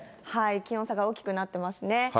気温差が大きくなってますね。